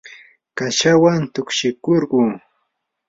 kashawan tukshikurquu.